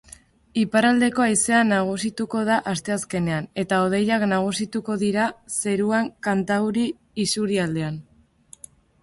Iparraldeko haizea nagusituko da asteazkenean, eta hodeiak nagusituko dira zeruan kantauri isurialdean.